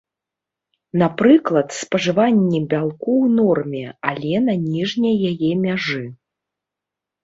Напрыклад, спажыванне бялку ў норме, але на ніжняй яе мяжы.